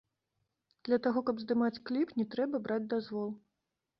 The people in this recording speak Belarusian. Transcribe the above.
Для таго, каб здымаць кліп, не трэба браць дазвол.